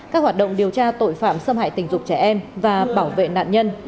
các hoạt động điều tra tội phạm xâm hại tình dục trẻ em và bảo vệ nạn nhân